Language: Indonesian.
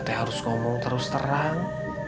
saya harus ngomong terus terang